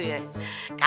kalo warung sulam bangkrut